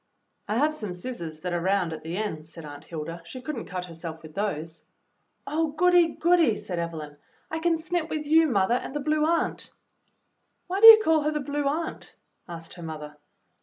"I have some scissors that are round at the ends," said Aunt Hilda; "she could n't cut herseK with those." "Oh, goody, goody!" said Evelyn. "I can snip with you, mother, and the Blue Aunt." "Why do you call her the Blue Aunt.?" asked her mother.